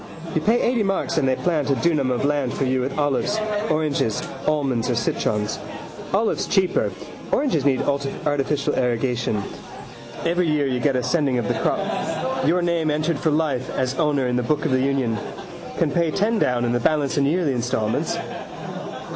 You pay eighty marks and they plant a dunam of land for you with olives, oranges, almonds or citrons. Olives cheaper: oranges need artificial irrigation. Every year you get a sending of the crop. Your name entered for life as owner in the book of the union. Can pay ten down and the balance in yearly instalments.